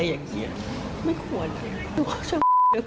ลองฟังเสียงช่วงนี้ดูค่ะ